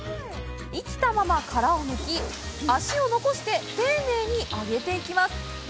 生きたまま殻をむき、足を残して丁寧に揚げていきます。